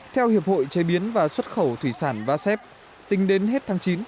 theo hiệp hội chế biến và xuất khẩu thủy sản vasep tính đến hết tháng chín